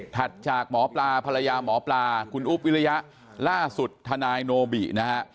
จากหมอปลาภรรยาหมอปลาคุณอุ๊บวิริยะล่าสุดทนายโนบินะฮะ